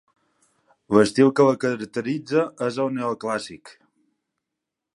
L'estil que la caracteritza és el neoclàssic.